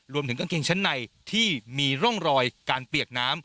รวมถึงกางเกงชั้นในที่มีร่องรอยการเปียกน้ำ